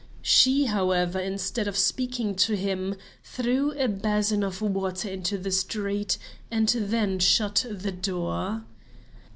She, however, instead of speaking to him, threw a basin of water out into the street and then shut the door.